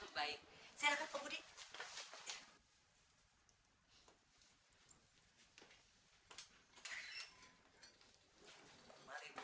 baik silakan pembudi